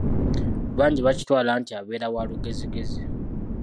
Bangi bakitwala nti abeera wa "olugezigezi".